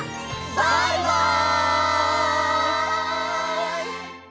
バイバイ！